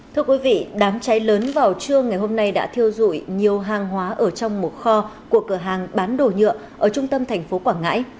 thưa quý vị đám cháy lớn vào trưa ngày hôm nay đã thiêu dụi nhiều hàng hóa ở trong một kho của cửa hàng bán đồ nhựa ở trung tâm thành phố quảng ngãi